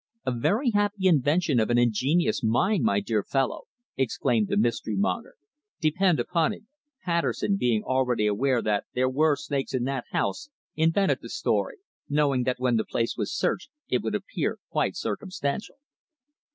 "A very happy invention of an ingenious mind, my dear fellow," exclaimed the Mystery monger. "Depend upon it, Patterson, being already aware that there were snakes in that house, invented the story, knowing that when the place was searched it would appear quite circumstantial."